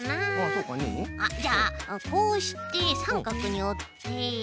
じゃあこうしてさんかくにおって。